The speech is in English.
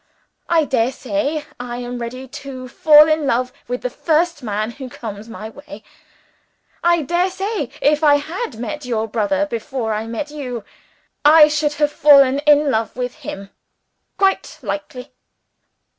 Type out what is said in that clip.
I dare say I am ready to fall in love with the first man who comes my way. I dare say if I had met your brother before I met you I should have fallen in love with him. Quite likely!"